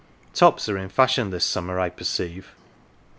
Tops are in fashion this summer, I perceive.